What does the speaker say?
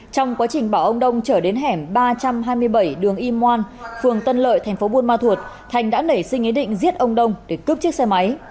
trong quá trình bảo ông đông chở đến hẻm ba trăm hai mươi bảy đường y moan phường tân lợi tp buôn ma thuột thành đã nảy sinh ý định giết ông đông để cướp chiếc xe máy